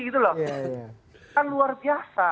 gitu loh kan luar biasa